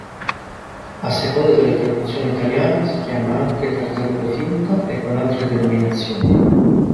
A seconda della traduzione italiana si chiama anche Tartaruga Finta e con altre denominazioni.